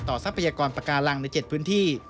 ทรัพยากรปากาลังใน๗พื้นที่